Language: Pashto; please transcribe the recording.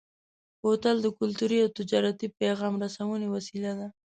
بوتل د کلتوري او تجارتي پیغام رسونې وسیله ده.